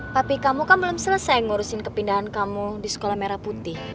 tapi kamu kan belum selesai ngurusin kepindahan kamu di sekolah merah putih